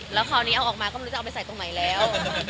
แล้วคราวนี้เอาออกมาก็ไม่รู้จะเอาไปใส่ตรงไหนแล้ว